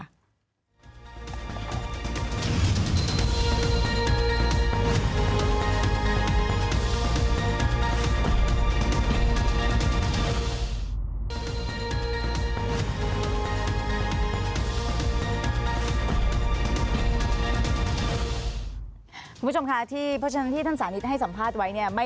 คุณผู้ชมคะที่เพราะฉะนั้นที่ท่านสานิทให้สัมภาษณ์ไว้เนี่ย